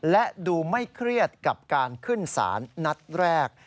และดูไม่เครียดกับการขึ้นศาลนัดแรก